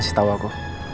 kasih tau aku